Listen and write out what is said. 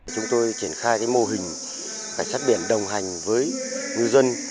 chúng tôi triển khai mô hình cảnh sát biển đồng hành với ngư dân